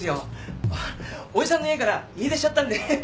おじさんの家から家出しちゃったんで。